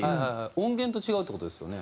音源と違うって事ですよね？